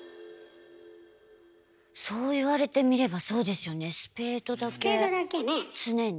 そう言われてみればそうですよねスペードだけ常に。